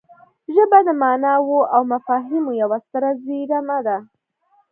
ژبه د ماناوو او مفاهیمو یوه ستره زېرمه ده